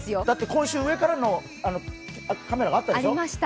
今週上からのカメラがあったでしょ。